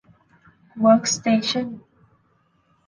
เวิร์คสเตชั่น